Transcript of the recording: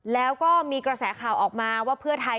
แล้วก็มีกระแสข่าวออกมาว่าเพื่อไทย